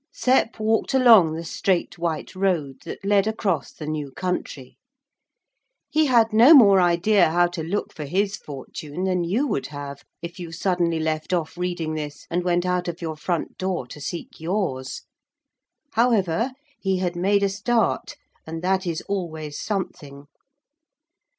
Sep walked along the straight white road that led across the new country. He had no more idea how to look for his fortune than you would have if you suddenly left off reading this and went out of your front door to seek yours. However, he had made a start, and that is always something.